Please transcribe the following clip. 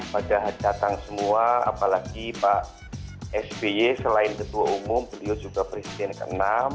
pada datang semua apalagi pak sby selain ketua umum beliau juga presiden ke enam